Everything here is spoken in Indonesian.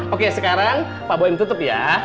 oke sekarang pak boeing tutup ya